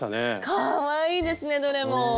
かわいいですねどれも！